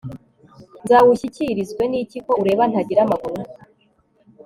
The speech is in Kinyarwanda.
nzawushyikirizwe niki ko ureba ntagira amaguru